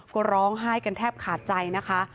ก็ร้องไห้กันแทบขาดใจนะคะ